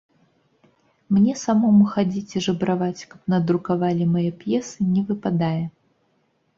Мне самому хадзіць і жабраваць, каб надрукавалі мае п'есы, не выпадае.